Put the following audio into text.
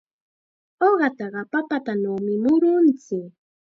Uqataqa papatanawmi murunchik.